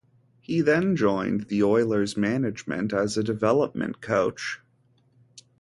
He then joined the Oilers management as a development coach.